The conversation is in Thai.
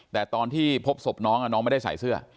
แต่ตอนที่พบศพน้องน้องไม่ได้ใส่เสื้อ